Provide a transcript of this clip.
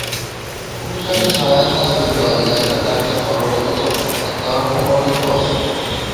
বহুজনের সহায়তা ভিন্ন অধিকাংশ কার্য কোনমতে চলে না, আত্মরক্ষা পর্যন্ত অসম্ভব।